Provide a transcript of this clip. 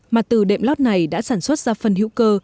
mà từ đệm lót này đã sản xuất ra phân hữu cơ